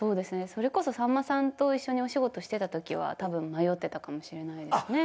それこそさんまさんと一緒にお仕事してた時は多分迷ってたかもしれないですね。